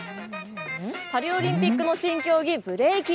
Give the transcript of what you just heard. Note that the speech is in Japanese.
パリオリンピックの新競技、ブレイキン。